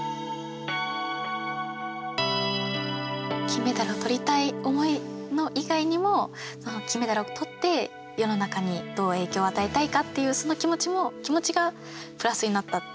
金メダル取りたい思いの以外にも金メダルを取って世の中にどう影響を与えたいかっていうその気持ちがプラスになった？